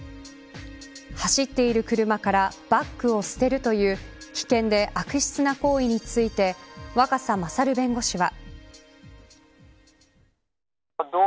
走ってる車からバッグを捨てるという危険で悪質な行為について若狭勝弁護士は。